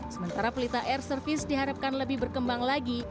sementara pelita air service diharapkan lebih berkembang lagi